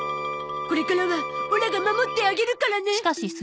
これからはオラが守ってあげるからね。